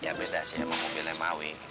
ya beda sih emang mobilnya mawe